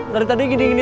saya mandi bhotih ini